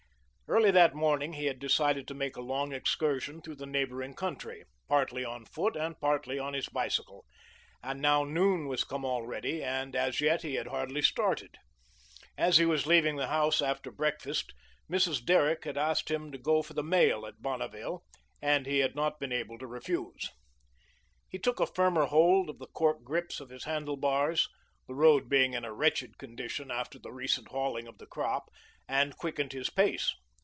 Early that morning he had decided to make a long excursion through the neighbouring country, partly on foot and partly on his bicycle, and now noon was come already, and as yet he had hardly started. As he was leaving the house after breakfast, Mrs. Derrick had asked him to go for the mail at Bonneville, and he had not been able to refuse. He took a firmer hold of the cork grips of his handlebars the road being in a wretched condition after the recent hauling of the crop and quickened his pace.